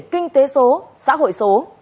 kinh tế số xã hội số